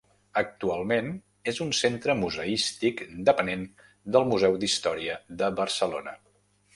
Actualment és un centre museístic depenent del Museu d'Història de Barcelona.